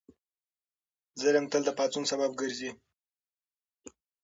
ظلم تل د پاڅون سبب ګرځي.